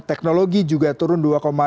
teknologi juga turun dua